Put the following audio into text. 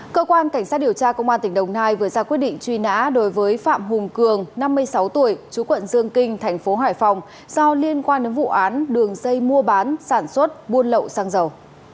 cơ quan cảnh sát điều tra công an tỉnh đồng nai vừa ra quyết định truy nã đối với phạm hùng cường năm mươi sáu tuổi chú quận dương kinh thành phố hải phòng do liên quan đến vụ án đường dây mua bán sản xuất buôn lậu xăng dầu